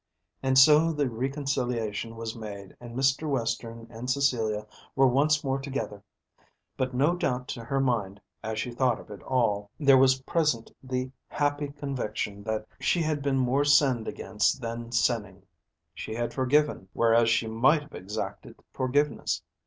And so the reconciliation was made, and Mr. Western and Cecilia were once more together. But no doubt to her mind, as she thought of it all, there was present the happy conviction that she had been more sinned against than sinning. She had forgiven, whereas she might have exacted forgiveness.